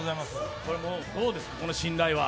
どうですか、この信頼は。